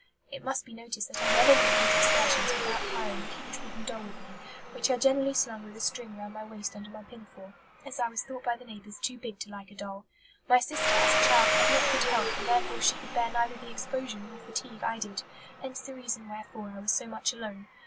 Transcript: It must be noticed that I never made these excursions without carrying a huge wooden doll with me, which I generally slung with a string round my waist under my pinafore, as I was thought by the neighbours too big to like a doll. My sister, as a child, had not good health, and therefore she could bear neither the exposure nor fatigue I did; hence the reason wherefore I was so much alone.